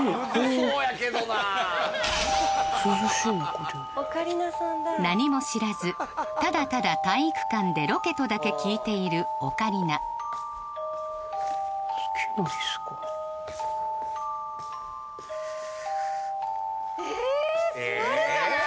ここ何も知らずただただ体育館でロケとだけ聞いているオカリナえ座るかな？